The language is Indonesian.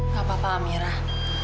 gak apa apa amirah